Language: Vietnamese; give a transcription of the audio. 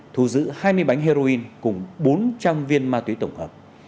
thu giữ hai mươi bánh heroin cùng bốn trăm linh viên ma túy tổng hợp